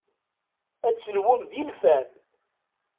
Ad ten-nwun d ilfan.